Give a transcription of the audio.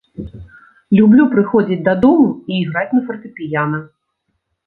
Люблю прыходзіць дадому і іграць на фартэпіяна.